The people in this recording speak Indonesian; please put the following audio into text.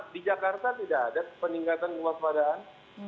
di jakarta tidak ada peningkatan kemas padaan